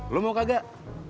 lo mau kagak